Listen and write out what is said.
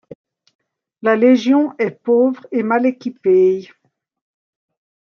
La Légion est pauvre et mal équipée.